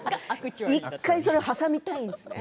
１回それを挟みたいんですね。